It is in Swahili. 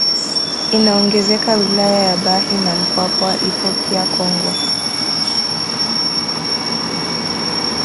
Inaongezeka wilaya ya Bahi na Mpwapwa ipo pia Kongwa